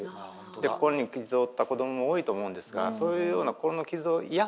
で心に傷を負った子どもも多いと思うんですがそういうような心の傷を癒やすためにもですね